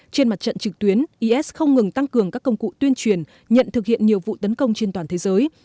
trên mặt trận trực tuyến is không ngừng tăng cường các công cụ tuyên truyền nhận thực hiện nhiều vụ tấn công trên toàn thế giới